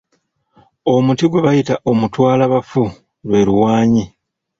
Omuti gwe bayita omutwalabafu lwe luwaanyi